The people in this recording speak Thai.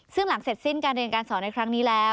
ซึ่งหลังเสร็จสิ้นการเรียนการสอนในครั้งนี้แล้ว